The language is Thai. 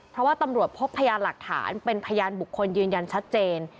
เพราะว่าตำรวจพบพยานหลักฐานเป็นพยานบุคคลยืนยันชัดเจน